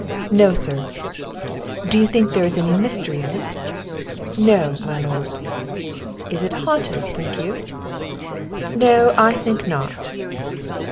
"No, sir." "Do you think there is any mystery in it?" "No, my lord." "Is it haunted, think you?" "No, I think not."